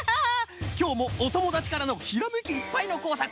きょうもおともだちからのひらめきいっぱいのこうさく